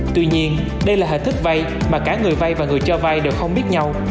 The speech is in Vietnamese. tuy nhiên đây là hình thức vay mà cả người vay và người cho vay đều không biết nhau